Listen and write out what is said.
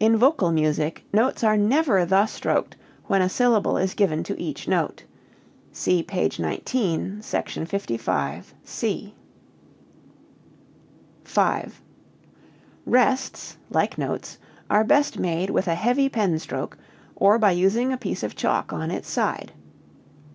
4.] In vocal music notes are never thus stroked when a syllable is given to each note. (See p. 19, Sec. 55, C.) 5. Rests, like notes, are best made with a heavy pen stroke or by using a piece of chalk on its side.